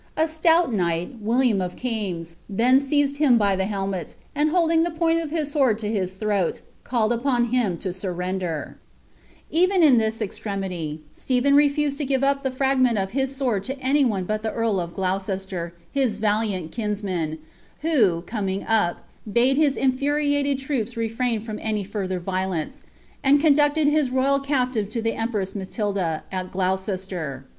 A stout knigtit, William of Kiunes, then seized him by the helmet, and holding ih* point of his sword to his throat, called upon him lo surrender,"* Even in that e»lreiniiy Stephen refused lo give Dp the fragment of hii sword to any one but the earl of Olourester, his valiant kinsman, who, L coming up, bade his infuriated troops rtfrain from further violentn., and cnndueted his n>yal captive to the empress Matilda, at Gloucester.